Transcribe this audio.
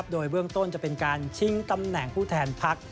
โดยเบื้องต้นจะเป็นการชิงตำแหน่งผู้แทนพัก